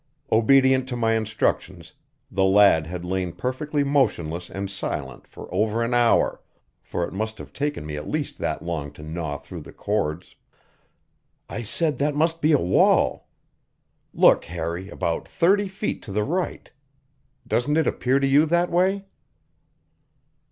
Obedient to my instructions, the lad had lain perfectly motionless and silent for over an hour, for it must have taken me at least that long to gnaw through the cords. "I said that must be a wall. Look, Harry, about thirty feet to the right. Doesn't it appear to you that way?"